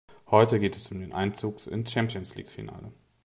Heute geht es um den Einzug ins Champions-League-Finale.